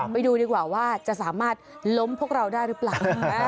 ไปดูดีกว่าว่าจะสามารถล้มพวกเราได้หรือเปล่า